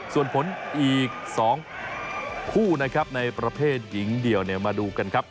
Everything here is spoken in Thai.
ส่วนผลอีก๒คู่นะครับในประเภทหญิงเดี่ยวเนี่ยมาดูกันครับ